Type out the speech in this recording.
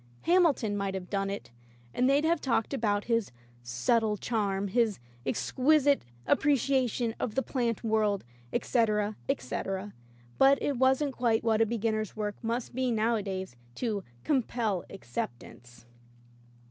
Ham ilton might have done it, and they'd have talked about his "subtle charm," his "ex quisite appreciation of the plant world," etc, etc, but it wasn't quite what a beginner's work must be nowadays to "compel ac ceptance."